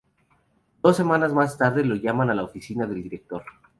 Dos semanas más tarde, lo llaman a la oficina del director.